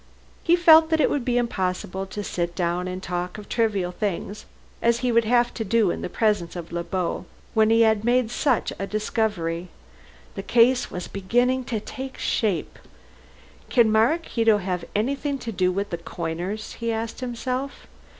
He felt that it would be impossible to sit down and talk of trivial things as he would have to do in the presence of Le Beau when he had made such a discovery. The case was beginning to take shape. "Can Maraquito have anything to do with the coiners?" he asked himself.